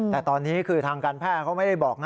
แต่ตอนนี้คือทางการแพทย์เขาไม่ได้บอกนะ